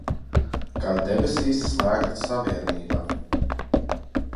Kā Debesīs slēgta savienība!